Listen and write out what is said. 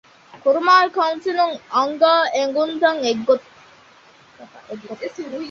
ކުރުމާއި ކައުންސިލުން އަންގާ އެންގުންތަކާއި އެއްގޮތަށް